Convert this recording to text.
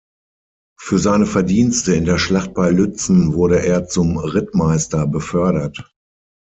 Für seine Verdienste in der Schlacht bei Lützen wurde er zum Rittmeister befördert.